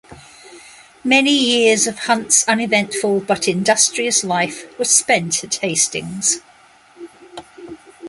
Many years of Hunt's uneventful but industrious life were spent at Hastings.